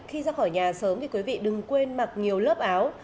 khi ra khỏi nhà sớm thì quý vị đừng quên mặc nhiều lớp áo